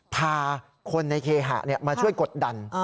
พาคนในเคหะมาช่วยกดดัน